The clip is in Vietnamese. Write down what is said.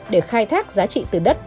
để khai thác giá trị từ đất